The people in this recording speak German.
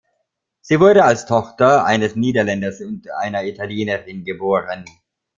Sie wurde als Tochter eines Niederländers und einer Italienerin geboren.